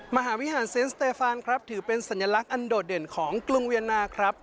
มหาวิหารเซนสเตฟานครับถือเป็นสัญลักษณ์อันโดดเด่นของกรุงเวียนนาครับ